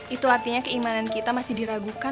itu artinya keimanan kita masih diragukan